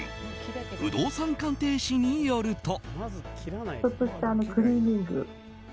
不動産鑑定士によると。